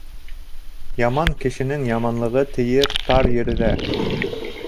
Яман кешенең яманлығы тейер тар ерҙә.